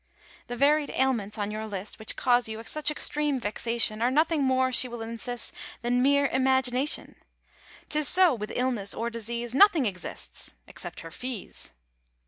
The varied ailments on your list Which cause you such extreme vexation Are nothing more, she will insist, Than mere imagination. 'Tis so with illness or disease; Nothing exists ... except her fees!